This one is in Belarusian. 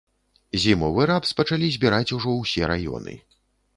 Зімовы рапс пачалі збіраць ужо ўсе раёны.